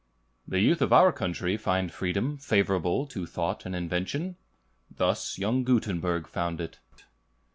The youth of our country find freedom favorable to thought and invention; thus young Gutenberg found it.